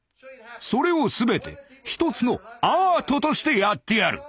それを全て一つの「アート」としてやってやる。